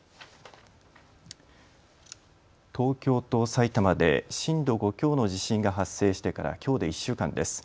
東京と埼玉で震度５強の地震が発生してからきょうで１週間です。